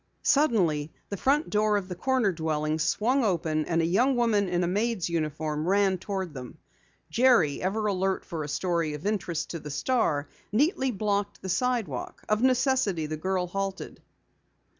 Suddenly the front door of the corner dwelling swung open, and a young woman in a maid's uniform ran toward them. Jerry, ever alert for a story of interest to the Star, neatly blocked the sidewalk. Of necessity the girl halted.